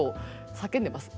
叫んでます？